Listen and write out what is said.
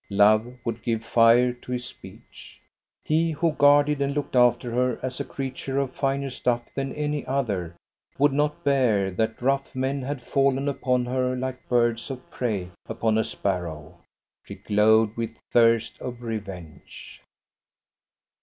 Love would give fire to his speech. He, who guarded and looked after her as a creature of finer stuff than any other, would not bear that rough men had fallen upon her like birds of prey upon a sparrow. She glowed with thirst of revenge.